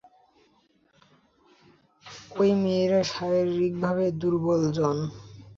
ওই মেয়েরা শারীরিকভাবে দুর্বল, জন।